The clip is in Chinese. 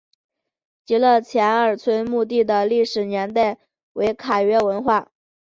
极乐前二村墓地的历史年代为卡约文化。